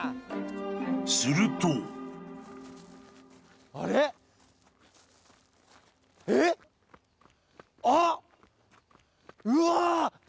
［すると］うわ！